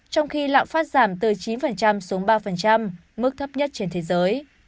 trong khi lạm phát giảm từ chín xuống ba mức thấp nhất trên thế giới